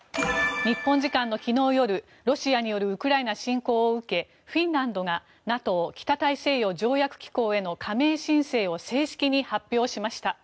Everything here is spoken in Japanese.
日本時間の昨日夜、ロシアによるウクライナ侵攻を受けフィンランドがＮＡＴＯ・北大西洋条約機構への加盟申請を正式に発表しました。